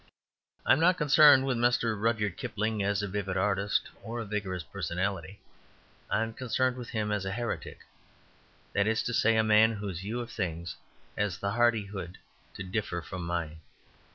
I am not concerned with Mr. Rudyard Kipling as a vivid artist or a vigorous personality; I am concerned with him as a Heretic that is to say, a man whose view of things has the hardihood to differ from mine.